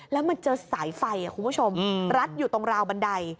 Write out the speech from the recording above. แล้วมันเจอสายไฟคุณผู้ชมรัดอยู่ตรงราวบันได